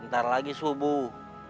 ntar lagi subuh